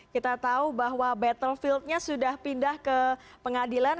kita tahu bahwa battlefieldnya sudah pindah ke pengadilan